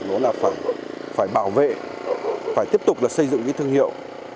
đó là phải bảo vệ phải tiếp tục là xây dựng cái thương hiệu